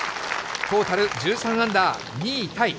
トータル１３アンダー、２位タイ。